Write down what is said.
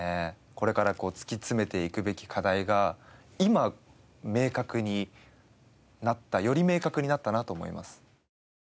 これから突き詰めていくべき課題が今明確により明確になったなと思います。